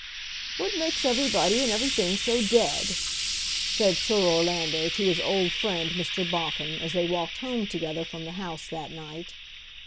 "What makes everybody and everything so dead?" said Sir Orlando to his old friend Mr. Boffin as they walked home together from the House that night.